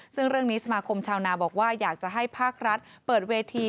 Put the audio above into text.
ซึ่งเรื่องนี้สมาคมชาวนาบอกว่าอยากจะให้ภาครัฐเปิดเวที